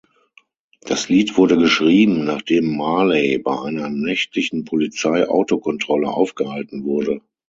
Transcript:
Das Lied wurde geschrieben, nachdem Marley bei einer nächtlichen Polizei-Autokontrolle aufgehalten wurde.